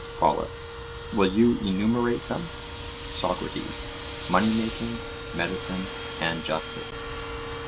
POLUS: Will you enumerate them? SOCRATES: Money making, medicine, and justice.